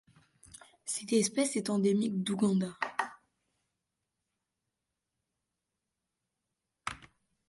Cette espèce est endémique d'Ouganda.